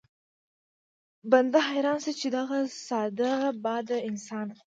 بنده حيران شي چې دغه ساده باده انسان